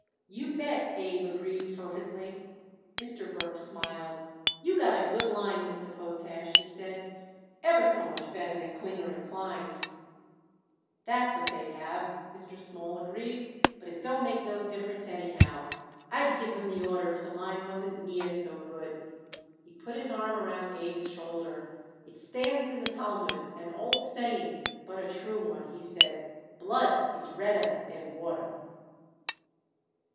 "You bet," Abe agreed fervently. Mr. Burke smiled. "You got a good line, Mr. Potash," he said. "Ever so much better than Klinger & Klein's." "That's what they have," Mr. Small agreed. "But it don't make no difference, anyhow. I'd give them the order if the line wasn't near so good." He put his arm around Abe's shoulder. "It stands in the Talmud, an old saying, but a true one," he said "'Blood is redder than water.'"